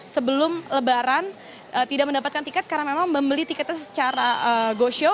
sebelum lebaran tidak mendapatkan tiket karena memang membeli tiketnya secara go show